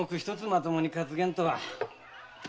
まともに担げんとは。